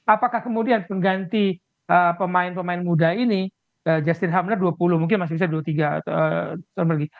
apakah kemudian pengganti pemain pemain muda ini justin humner dua puluh mungkin masih bisa dua puluh tiga tahun lagi